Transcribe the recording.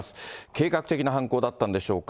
計画的な犯行だったんでしょうか。